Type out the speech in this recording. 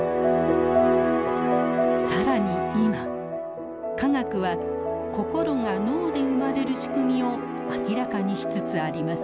更に今科学は心が脳で生まれる仕組みを明らかにしつつあります。